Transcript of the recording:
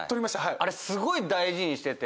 あれすごい大事にしてて。